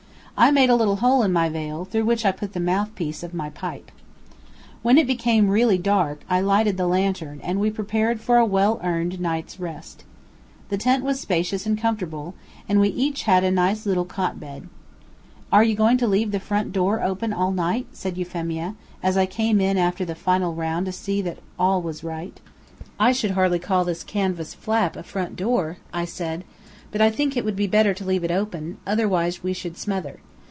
I made a little hole in my veil, through which I put the mouth piece of my pipe. When it became really dark, I lighted the lantern, and we prepared for a well earned night's rest. The tent was spacious and comfortable, and we each had a nice little cot bed. "Are you going to leave the front door open all night?" said Euphemia, as I came in after a final round to see that all was right. "I should hardly call this canvas flap a front door," I said, "but I think it would be better to leave it open; otherwise we should smother.